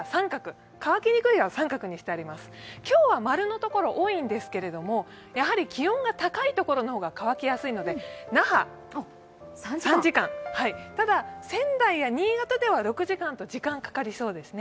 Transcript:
今日は○の所が多いんですけれども、気温が高い所の方が乾きやすいので那覇、３時間、ただ仙台や新潟では６時間と時間がかかりそうです。